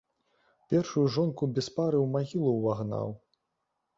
Першую жонку без пары ў магілу ўвагнаў.